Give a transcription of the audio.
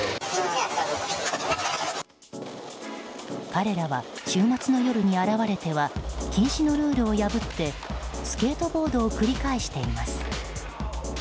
彼らは週末の夜に現れては禁止のルールを破ってスケートボードを繰り返しています。